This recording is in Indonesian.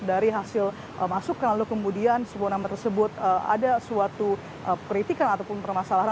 dari hasil masukan lalu kemudian sepuluh nama tersebut ada suatu kritikan ataupun permasalahan